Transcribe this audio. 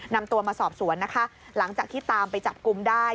นำตัวมาสอบสวนนะคะหลังจากที่ตามไปจับกลุ่มได้